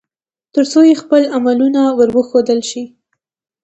ترڅو يې خپل عملونه ور وښودل شي